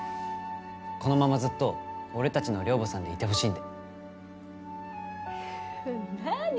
このままずっと俺達の寮母さんでいてほしいんで何？